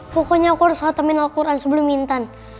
pokoknya aku harus atamin alquran sebelum intan